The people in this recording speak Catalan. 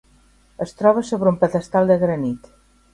Es troba sobre un pedestal de granit.